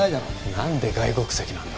何で外国籍なんだ